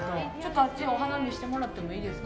あっちのお花見せてもらってもいいですか。